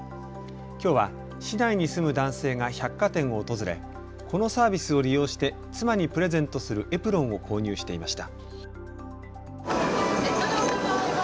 きょうは市内に住む男性が百貨店を訪れ、このサービスを利用して妻にプレゼントするエプロンを購入していました。